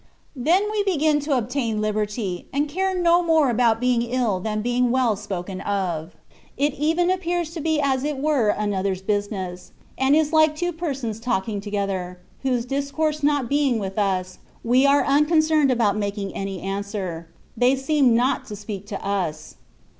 Then we begin to obtain liberty, and care no more about being ill than being well spoken of: it even appears to be as it were another^s business, and is like two persons talking together, whose discourse not being with us, we are unconcerned about making any answer ; they seem not to speak to us.